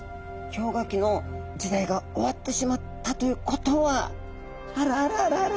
氷河期の時代が終わってしまったということはあらあらあらあら。